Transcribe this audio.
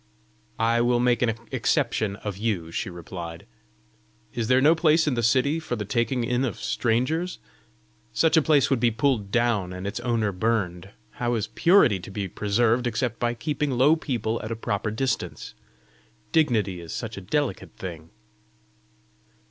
"I will make an exception of you," she replied. "Is there no place in the city for the taking in of strangers?" "Such a place would be pulled down, and its owner burned. How is purity to be preserved except by keeping low people at a proper distance? Dignity is such a delicate thing!"